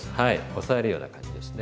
押さえるような感じですね。